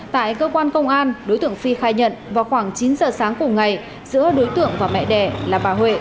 tại cơ quan công an đối tượng phi khai nhận vào khoảng chín giờ sáng cùng ngày giữa đối tượng và mẹ đẻ là bà huệ